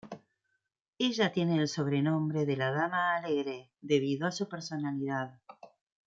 Ella tiene el sobrenombre de la "Dama alegre", debido a su personalidad.